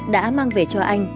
đã mang về cho anh